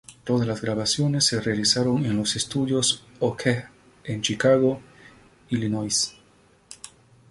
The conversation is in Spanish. Todas las grabaciones se realizaron en los estudios Okeh en Chicago, Illinois.